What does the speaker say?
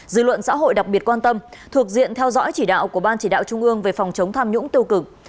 dư luận xã hội đặc biệt quan tâm thuộc diện theo dõi chỉ đạo của ban chỉ đạo trung ương về phòng chống tham nhũng tiêu cực